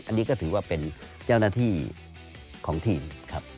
อันนี้ก็ถือว่าเป็นเจ้าหน้าที่ของทีมครับ